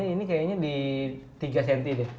ini kayaknya di tiga cm deh